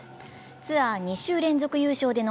ツアー２週連続優勝でノ